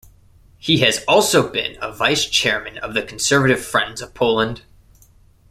He has also been a Vice-Chairman of the Conservative Friends of Poland.